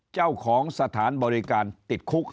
เจ้าของสถานบริการติดคุก